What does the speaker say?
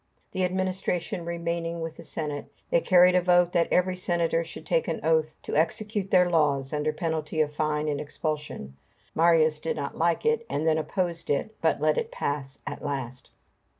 The administration remaining with the Senate, they carried a vote that every senator should take an oath to execute their laws under penalty of fine and expulsion. Marius did not like it, and even opposed it, but let it pass at last.